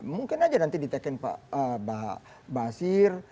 mungkin aja nanti diteken pak basir